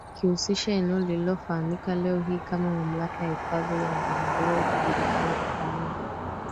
ikihusisha eneo linalofahamika leo hii kama Mamlaka ya hifadhi ya Ngorongoro ikijulikana kwa pamoja